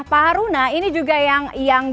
pak haruna ini juga yang